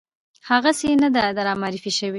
هغسې نه ده رامعرفي شوې